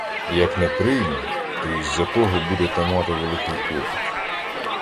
Як не прийме, то із-за того будете мати великий клопіт.